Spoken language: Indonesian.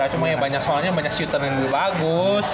cuma ya banyak soalnya banyak shootern yang lebih bagus